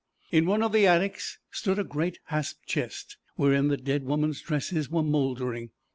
In one of the attics stood a great hasped chest, wherein the dead woman's dresses were mouldering.